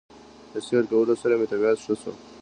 د سېل کولو سره مې طبعيت ښه شو